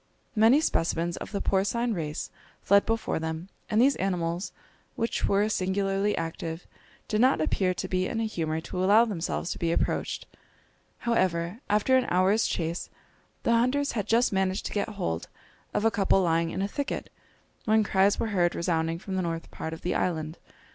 Many specimens of the porcine race fled before them, and these animals, which were singularly active, did not appear to be in a humour to allow themselves to be approached. However, after an hour's chase, the hunters had just managed to get hold of a couple lying in a thicket, when cries were heard resounding from the north part of the island.